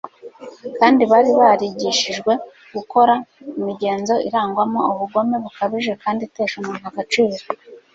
kandi bari barigishijwe gukora imigenzo irangwamo ubugome bukabije kandi itesha umuntu agaciro